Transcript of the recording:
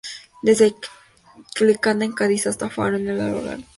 Desde Chiclana, en Cádiz, hasta Faro, en el Algarve.